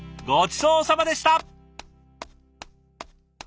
ごちそうさまでした！